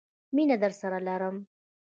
مینه درسره لرم